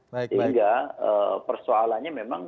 sehingga persoalannya memang